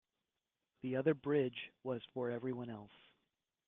The other bridge was for everyone else.